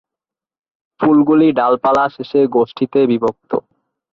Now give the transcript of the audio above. ফুলগুলি ডালপালা শেষে গোষ্ঠীতে বিভক্ত।